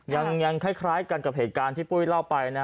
ยังคล้ายกันกับเหตุการณ์ที่ปุ้ยเล่าไปนะ